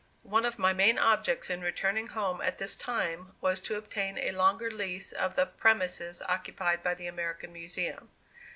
One of my main objects in returning home at this time, was to obtain a longer lease of the premises occupied by the American Museum.